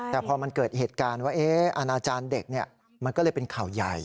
แต่พอมันเกิดเหตุการณ์ว่าอาณาจารย์เด็กมันก็เลยเป็นข่าวใหญ่